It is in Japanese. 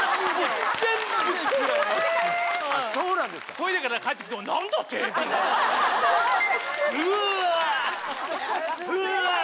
トイレから帰ってきても何だって⁉うわぁ！